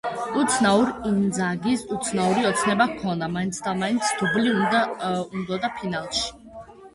უცნაურ ინძაგის უცნაური ოცნება ჰქონდა, მაინცადამაინც დუბლი უნდოდა ფინალში.